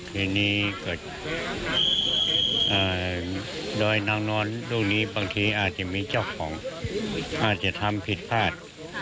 ทีนี้เกิดดอยนางนอนลูกนี้บางทีอาจจะมีเจ้าของอาจจะทำผิดพลาด